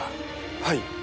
はい。